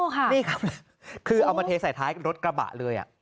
นี่ครับคือเอามาเทใส่ท้ายรถกระบะเลย